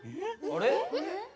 あれ？